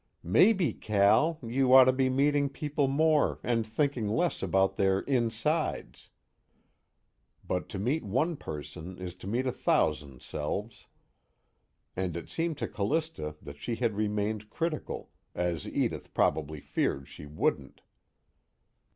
"Maybe, Cal, you ought to be meeting people more and thinking less about their insides." But to meet one person is to meet a thousand selves; and it seemed to Callista that she had remained critical, as Edith probably feared she wouldn't.